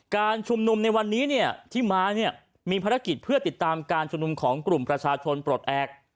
การชุมนุมในวันนี้เนี่ยที่มาเนี่ยมีภารกิจเพื่อติดตามการชุมนุมของกลุ่มประชาชนปลดแอบ